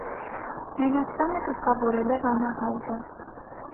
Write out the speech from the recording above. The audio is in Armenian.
Մենաստանը գլխավորել է վանահայրը։